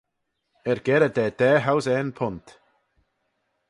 Er gerrey da daa-housane punt.